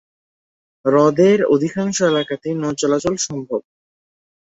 হ্রদের অধিকাংশ এলাকাতেই নৌ চলাচল সম্ভব।